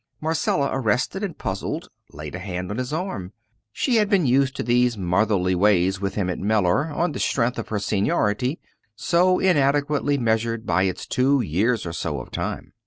Marcella, arrested and puzzled, laid a hand on his arm. She had been used to these motherly ways with him at Mellor, on the strength of her seniority, so inadequately measured by its two years or so of time!